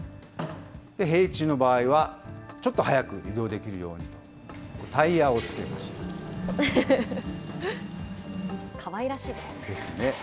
平地の場合は、ちょっとはやく移動できるようにと、タイヤをつけました。ですね。